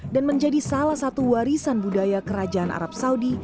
dan menjadi salah satu warisan budaya kerajaan arab saudi